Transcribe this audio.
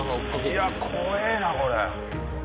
いや怖えなこれ。